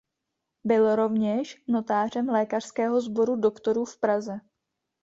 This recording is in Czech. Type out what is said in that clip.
Byl rovněž notářem lékařského sboru doktorů v Praze.